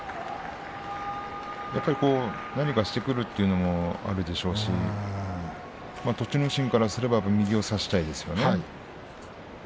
何かしてくるというのもあるでしょうし栃ノ心からすれば右を差したいですよね。